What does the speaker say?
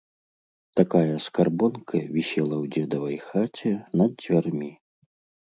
Такая скарбонка вісела ў дзедавай хаце над дзвярмі.